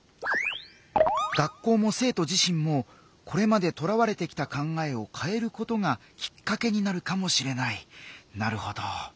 学校も生徒自身もこれまでとらわれてきた考えをかえることがきっかけになるかもしれないなるほど。